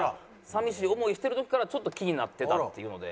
寂しい思いをしてる時からちょっと気になってたっていうので。